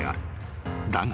［だが］